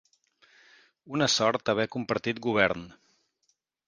Una sort haver compartit govern.